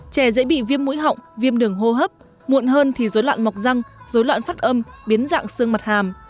trẻ dễ bị viêm mũi họng viêm đường hô hấp muộn hơn thì dối loạn mọc răng dối loạn phát âm biến dạng xương mặt hàm